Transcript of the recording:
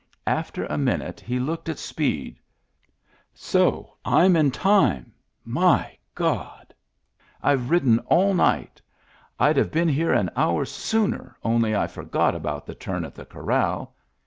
After a minute he looked at Speed. " So Tm in time, my GkkI ! IVe ridden all night rd have been here an hour sooner only I forgot about the turn at the corral.